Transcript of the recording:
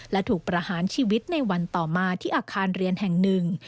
และถูกประหารชีวิตในวันต่อมาที่อาคารเรียนแห่งหนึ่ง